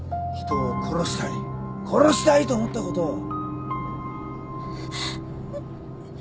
人を殺したり殺したいと思ったこと。